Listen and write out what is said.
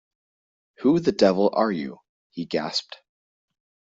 “Who the devil are you?” he gasped.